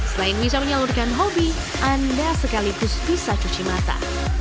selain bisa menyalurkan hobi anda sekaligus bisa cuci mata